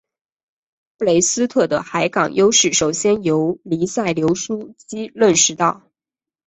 布雷斯特的海港优势首先由黎塞留枢机认识到。